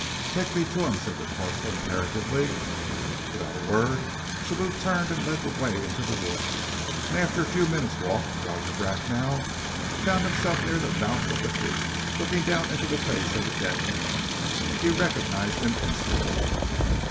"Take me to him," said the corporal imperatively. Without a word Sibou turned and led the way into the wood, and after a few minutes' walk Roger Bracknell found himself near the mouth of the creek, looking down into the face of a dead man. He recognized him instantly.